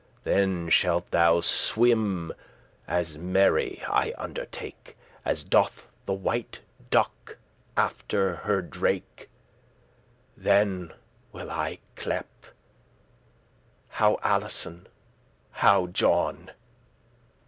Then shalt thou swim as merry, I undertake, As doth the white duck after her drake: Then will I clepe,* 'How, Alison? How, John?